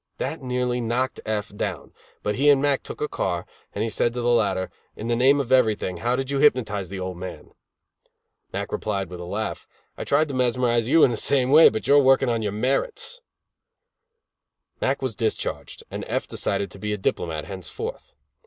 That nearly knocked F down, but he and Mack took a car, and he said to the latter: "In the name of everything how did you hypnotize the old man?" Mack replied, with a laugh: "I tried to mesmerize you in the same way; but you are working on your merits." Mack was discharged, and F decided to be a diplomat henceforth.